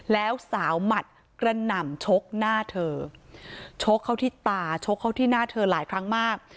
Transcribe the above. แล้วสาวหมัดกระหน่ำชกหน้าเธอชกเข้าที่ตาชกเข้าที่หน้าเธอหลายครั้งมาก